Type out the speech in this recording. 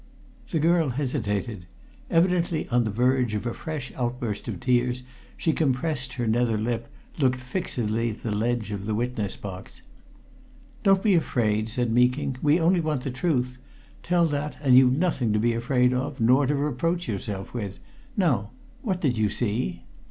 The girl hesitated. Evidently on the verge of a fresh outburst of tears, she compressed her nether lip, looking fixedly at the ledge of the witness box. "Don't be afraid," said Meeking. "We only want the truth tell that, and you've nothing to be afraid of, nor to reproach yourself with. Now what did you see?"